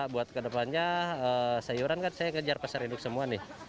buat kedepannya sayuran kan saya kejar pasar hidup semua nih